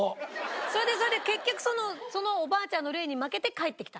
それでそれで結局そのおばあちゃんの霊に負けて帰ってきた？